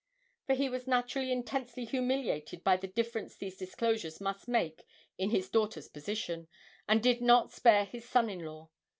For he was naturally intensely humiliated by the difference these disclosures must make in his daughter's position, and did not spare his son in law.